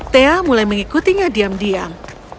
tea mulai mengikutinya diam diam